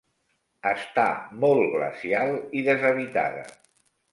Està molt glacial i deshabitada.